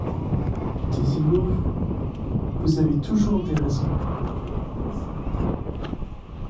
Taisez-vous… Vous avez toujours des raisons…